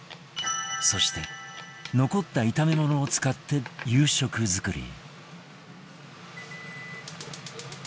そして残った炒め物を使って夕食作り